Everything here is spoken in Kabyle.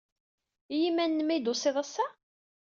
I yiman-nnem ay d-tusid ass-a?